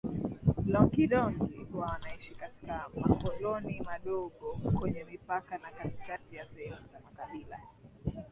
Loonkidongi huwa wanaishi katika makoloni madogo kwenye mipaka na katikati ya sehemu za makabila